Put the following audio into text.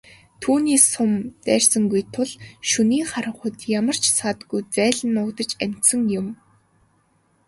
Түүнийг сум дайрсангүй тул шөнийн харанхуйд ямар ч саадгүй зайлан нуугдаж амжсан юм.